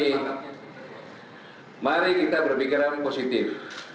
jadi begini mari kita berpikiran positif